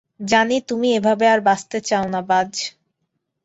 জানি, তুমি এভাবে আর বাঁচতে চাও না, বায।